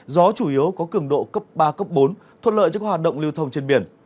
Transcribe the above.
gió chủ yếu có cường độ cấp ba cấp bốn thuận lợi cho hoạt động lưu thông trên biển